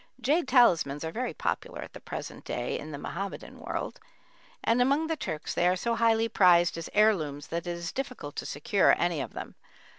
Jade talismans are very popular at the present day in the Mohammedan world, and among the Turks they are so highly prized as heirlooms that it is difficult to secure any of them.